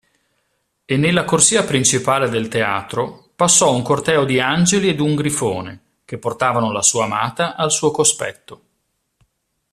E nella corsia principale del teatro passò un corteo di angeli ed un grifone che portavano la sua amata al suo cospetto.